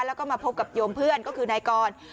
แล้วก็มาพบกับโยมเพื่อนก็คือนายกร